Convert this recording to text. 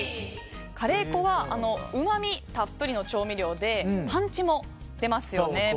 カレー粉はうまみたっぷりの調味料でパンチも出ますよね。